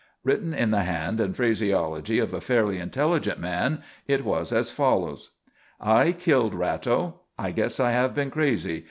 Written in the hand and phraseology of a fairly intelligent man, it was as follows: "_I killed Ratto. I guess I have been crazy.